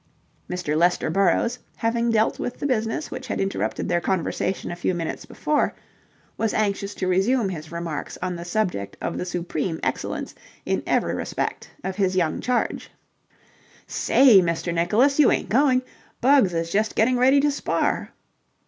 Mr. Lester Burrowes, having dealt with the business which had interrupted their conversation a few minutes before, was anxious to resume his remarks on the subject of the supreme excellence in every respect of his young charge. "Say, Mr. Nicholas, you ain't going'? Bugs is just getting ready to spar."